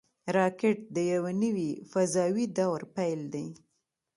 راکټ د یوه نوي فضاوي دور پیل دی